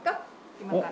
今から。